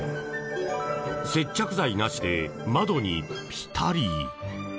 接着剤なしで窓にピタリ。